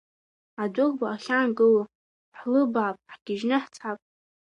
Адәыӷба ахьаангыло, ҳлыбаап, ҳгьежьны ҳцап.